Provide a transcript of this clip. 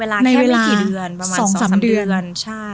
ใช่ในเวลาแค่มีกี่เดือนประมาณสองสามเดือน